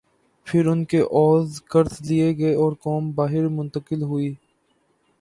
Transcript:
پھر ان کے عوض قرض لئے گئے اوررقوم باہر منتقل ہوئیں۔